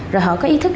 rồi họ có ý thức